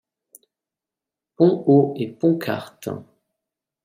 Pons au et Pont-Quartes.